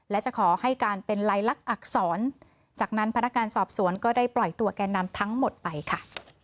และจะขอให้การเป็นลายลักษณอักษรจากนั้นพนักงานสอบสวนก็ได้ปล่อยตัวแก่นำทั้งหมดไปค่ะ